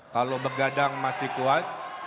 kalau begadang masih kuat